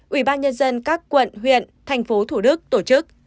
ủy ban nhân dân các quận huyện thành phố thủ đức tổ chức